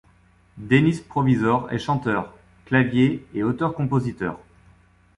Dennis Provisor est chanteur, clavier et auteur-compositeur.